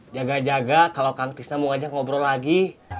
jaga jaga kalau kang tisna mau ngajak ngobrol lagi